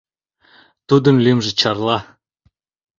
Тудын лӱмжӧ Чарла: